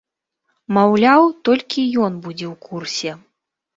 Маўляў, толькі ён будзе ў курсе.